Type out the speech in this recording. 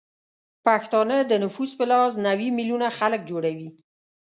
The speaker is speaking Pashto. پښتانه د نفوس به لحاظ نوې میلیونه خلک جوړوي